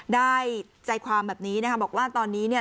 ได้ใจความแบบนี้นะคะบอกว่าตอนนี้เนี่ย